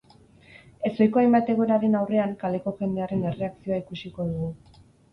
Ezohiko hainbat egoeraren aurrean kaleko jendearen erreakzioa ikusiko dugu.